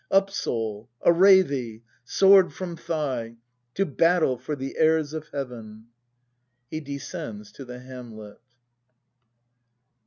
Up, Soul, array thee! Sword from thigh! To battle for the heirs of heaven! [He descends to the hamlet.